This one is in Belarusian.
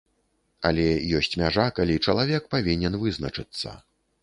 Але ёсць мяжа, калі чалавек павінен вызначыцца.